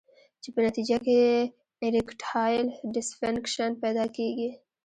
چې پۀ نتېجه کښې ايريکټائل ډسفنکشن پېدا کيږي